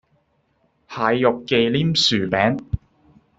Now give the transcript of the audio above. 蟹肉忌廉薯餅